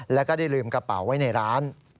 แล้วก็ได้ลืมกระเป๋าไว้ในร้าน